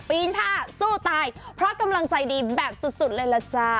ปีนผ้าสู้ตายเพราะกำลังใจดีแบบสุดเลยล่ะจ้า